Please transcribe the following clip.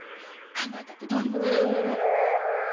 考えたってどうにもならへんやろ。